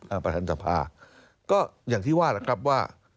ประธานสภาก็อย่างที่ว่าแหละครับว่า